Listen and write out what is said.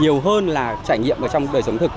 nhiều hơn là trải nghiệm trong đời sống thực